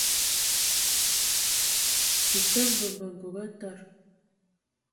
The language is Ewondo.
Tita mbembə ngoge aa tad.